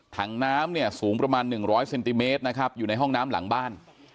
ถังน้ำสูงประมาณ๑๐๐เซนติเมตรอยู่ในห้องน้ำหลังบ้าน